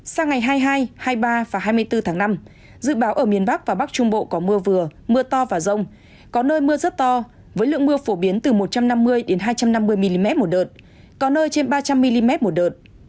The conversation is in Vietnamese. sang ngày hai mươi hai hai mươi ba và hai mươi bốn tháng năm dự báo ở miền bắc và bắc trung bộ có mưa vừa mưa to và rông có nơi mưa rất to với lượng mưa phổ biến từ một trăm năm mươi hai trăm năm mươi mm một đợt có nơi trên ba trăm linh mm một đợt